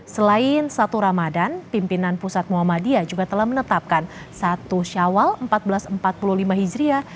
selain satu ramadan pimpinan pusat muhammadiyah juga telah menetapkan satu syawal seribu empat ratus empat puluh lima hijriah